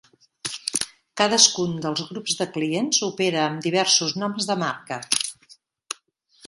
Cadascun dels grups de clients opera amb diversos noms de marca.